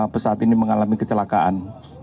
pesawat ini mengalami kecelakaan